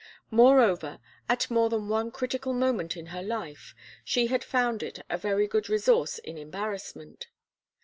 Moreover, at more than one critical moment in her life, she had found it a very good resource in embarrassment.